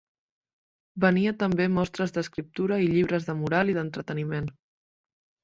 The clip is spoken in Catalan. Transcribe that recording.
Venia també mostres d'escriptura i llibres de moral i d'entreteniment.